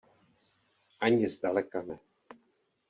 Ani zdaleka ne.